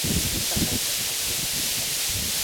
上海港和天津港